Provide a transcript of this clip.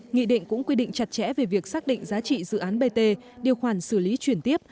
nghị định cũng quy định chặt chẽ về việc xác định giá trị dự án bt điều khoản xử lý chuyển tiếp